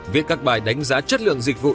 viết các bài đánh giá chất lượng dịch vụ